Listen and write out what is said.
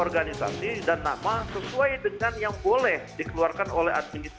sehingga kami kalau ke kepolisian ya kan enak gitu loh